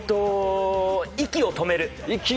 息を止める！